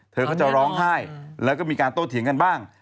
เธอก็จะร้องไห้แล้วก็มีการโต้เถียงกันบ้าง